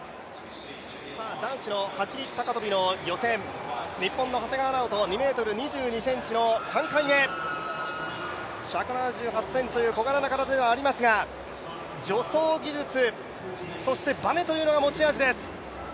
男子の走高跳の予選、日本の長谷川直人２ｍ２２ｃｍの３回目、１７８ｃｍという小柄な体ではありますが助走技術、バネというのが持ち味です。